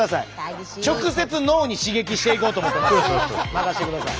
任せてください。